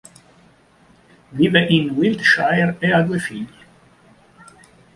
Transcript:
Vive in Wiltshire ed ha due figli.